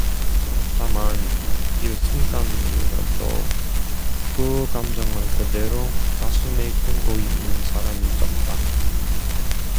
다만 일순간이라도 그 감정을 그대로 가슴에 품고 있는 사람이 적다.